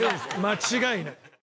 間違いない。